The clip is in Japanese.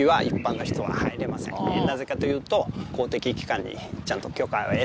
なぜかというと。